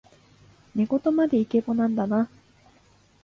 寝言までイケボなんだな